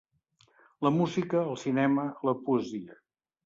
La música, el cinema, la poesia.